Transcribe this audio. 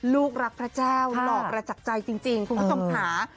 ลูกรักพระเจ้าหล่อประจักษ์ใจจริงคุณผู้ชมค่ะ